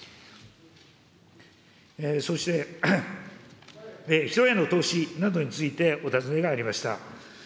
そして、人への投資などについてお尋ねがありました。